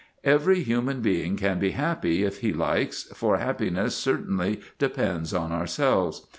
Every human being can be happy if he likes, for happiness cer tainly depends on ourselves.